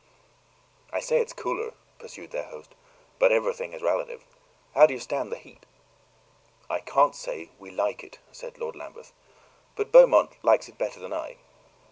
"I say it's cooler," pursued their host, "but everything is relative. How do you stand the heat?" "I can't say we like it," said Lord Lambeth; "but Beaumont likes it better than I."